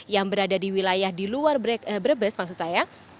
yang berada di wilayah di luar brebes maksud saya